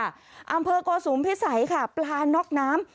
อัมเภอเกาะสุมพิษัยข้ากระชังปลานักน้ำ